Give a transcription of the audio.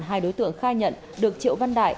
hai đối tượng khai nhận được triệu văn đại